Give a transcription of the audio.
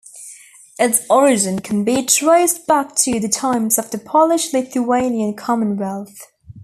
Its origin can be traced back to the times of the Polish-Lithuanian Commonwealth.